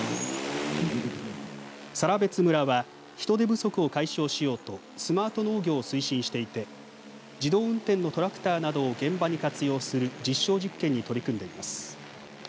更別村は人手不足を解消しようとスマート農業を推進していて自動運転のトラクターなどを現場に活用する実証実験に取り組んでいます。